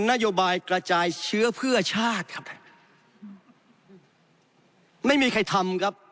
นโยบายกระจายเชื้อเพื่อชาติครับไม่มีใครทำครับ